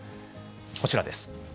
こちらです。